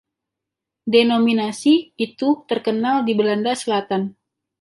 Denominasi itu terkenal di Belanda Selatan.